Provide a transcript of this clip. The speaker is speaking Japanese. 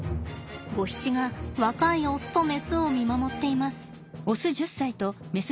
ゴヒチが若いオスとメスを見守っています。